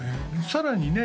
さらにね